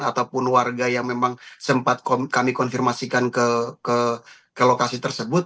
ataupun warga yang memang sempat kami konfirmasikan ke lokasi tersebut